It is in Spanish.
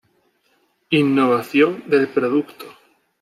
Innovación del producto.